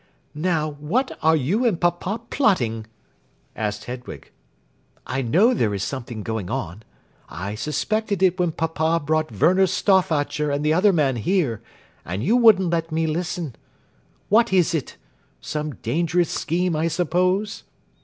"Now, what are you and papa plotting?" asked Hedwig. "I know there is something going on. I suspected it when papa brought Werner Stauffacher and the other man here, and you wouldn't let me listen. What is it? Some dangerous scheme, I suppose?"